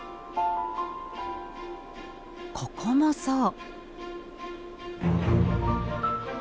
ここもそう。